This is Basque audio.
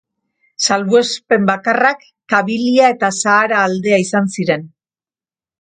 Salbuespen bakarrak Kabilia eta Sahara aldea izan ziren.